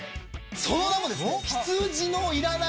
その名もですね。